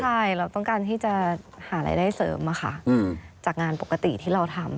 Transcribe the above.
ใช่เราต้องการที่จะหารายได้เสริมจากงานปกติที่เราทำ